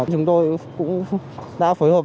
chúng tôi cũng đã phối hợp